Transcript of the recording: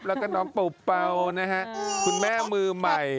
แล้วก็น้องเป่านะฮะคุณแม่มือใหม่